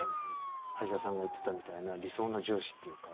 林田さんが言ってたみたいな理想の上司っていうか。